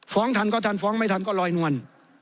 ทันก็ทันฟ้องไม่ทันก็ลอยนวล